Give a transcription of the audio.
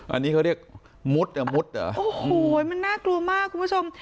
อันนี้เขาเรียกมุดอ่ะมุดเหรอโอ้โหมันน่ากลัวมากคุณผู้ชม